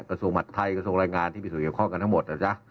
กระทรวงหมัดไทยกระทรวงแรงงานที่มีส่วนเกี่ยวข้องกันทั้งหมดนะจ๊ะ